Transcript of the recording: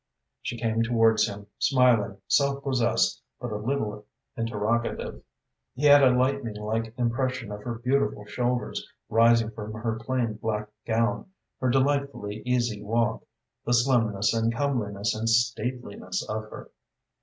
She came towards him, smiling, self possessed, but a little interrogative. He had a lightning like impression of her beautiful shoulders rising from her plain black gown, her delightfully easy walk, the slimness and comeliness and stateliness of her.